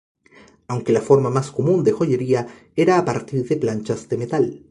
Aunque la forma más común de joyería era a partir de planchas de metal.